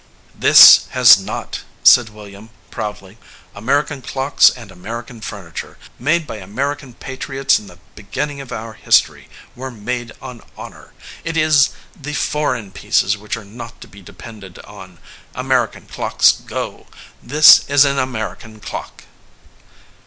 "This has not," said William, proudly. "Ameri 72 THE VOICE OF THE CLOCK can clocks and American furniture, made by Amer ican patriots in the beginning of our history, were made on honor. It is the foreign pieces which are not to be depended on. American clocks go. This is an American clock."